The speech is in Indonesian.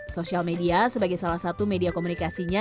sosial media sebagai salah satu media komunikasinya